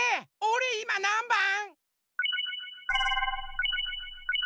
おれいまなんばん？